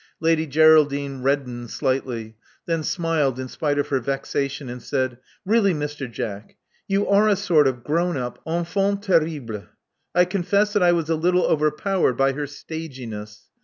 Lady Geraldine reddened slightly; then smiled in spite of her vexa tion, and said, Really, Mr. Jack, you are a sort of grown up enfant terrible. I confess that I was a little overpowered by her staginess.